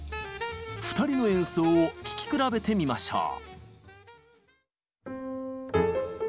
２人の演奏を聴き比べてみましょう。